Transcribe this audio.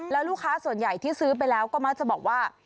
แล้วลูกค้าส่วนใหญ่ที่ซื้อไปแล้วก็มักจะบอกว่า